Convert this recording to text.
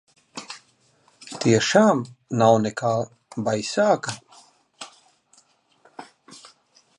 Tiešām nav nekā baisāka?